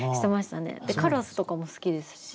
カラスとかも好きですし。